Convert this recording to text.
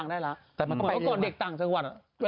ก็ไม่รู้มันก็ต้องมี